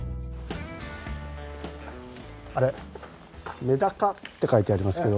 あれめだかって書いてありますけど。